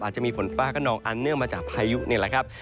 จะมีฝนฟ้ากระนองอันเนื่องมาจากพายุนี่แหละครับ